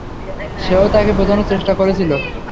সেও তাকে বুঝানোর চেষ্টা করেছিল।